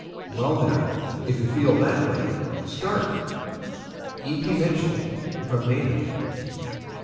"Well, now, if you feel that way start!" (E. P. Mitchell, from Dana.)